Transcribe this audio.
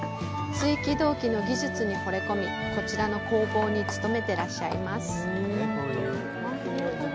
鎚起銅器の技術にほれ込み、こちらの工房に勤めていらっしゃいます。